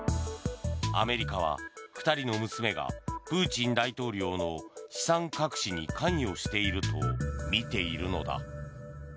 アメリカは２人の娘がプーチン大統領の資産隠しに関与しているとみているのだ。